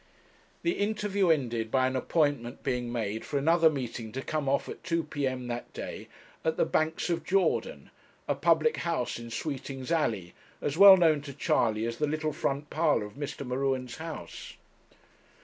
The interview ended by an appointment being made for another meeting to come off at two p.m. that day, at the 'Banks of Jordan,' a public house in Sweeting's Alley, as well known to Charley as the little front parlour of Mr. M'Ruen's house.